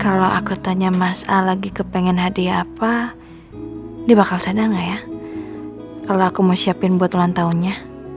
kalau aku tanya mas a lagi kepengen hadiah apa dia bakal senang gak ya kalau aku mau siapin buat ulang tahunnya